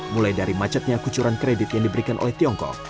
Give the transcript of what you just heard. mulai dari macetnya kucuran kredit yang diberikan oleh tiongkok